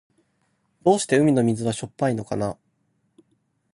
どうして海の水はしょっぱいのかな。